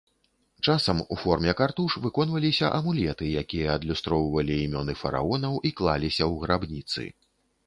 Часам у форме картуш выконваліся амулеты, якія адлюстроўвалі імёны фараонаў і клаліся ў грабніцы.